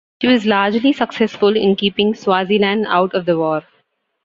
She was largely successful in keeping Swaziland out of the war.